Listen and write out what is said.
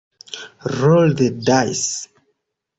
Roll the Dice!